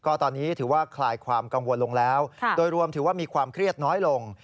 ก็ตอนนี้ถือว่าคลายความกังวลลงแล้วโดยรวมถือว่ามีความเครียดน้อยลง